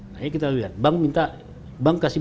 nah kita lihat bank minta bank kasih